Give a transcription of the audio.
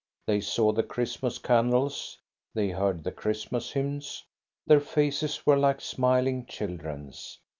They saw the Christmas candles, they heard the Christ mas hymns, their faces were like smiling children's.